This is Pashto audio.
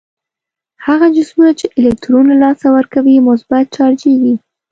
هغه جسمونه چې الکترون له لاسه ورکوي مثبت چارجیږي.